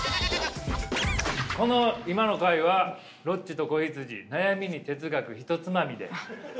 この今の回は「ロッチと子羊悩みに哲学ひとつまみ」で！